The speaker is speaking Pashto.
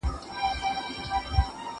هغه د پاکو اوبو په څښلو بوخت دی.